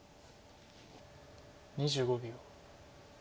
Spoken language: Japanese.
２５秒。